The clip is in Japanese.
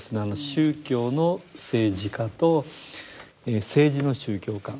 宗教の政治化と政治の宗教化。